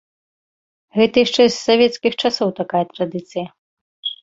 Гэта яшчэ з савецкіх часоў такая традыцыя.